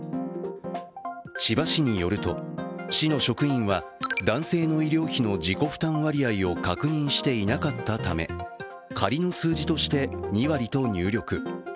千葉市によると市の職員は男性の医療費の自己負担割合を確認していなかったため、仮の数字として、２割と入力。